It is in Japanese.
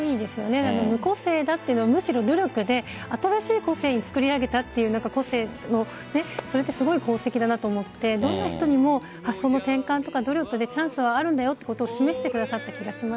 無個性だというのはむしろ努力で新しい個性を作り上げたというそれってすごい功績だなと思ってどんな人にも発想の転換や努力でチャンスはあるんだよと示してくださった気がします。